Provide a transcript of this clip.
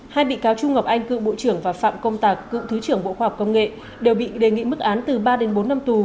hai bị cáo trung ngọc anh cựu bộ trưởng và phạm công tạc cựu thứ trưởng bộ khoa học công nghệ đều bị đề nghị mức án từ ba đến bốn năm tù